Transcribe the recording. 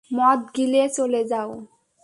মদ গিলে চলে যাও।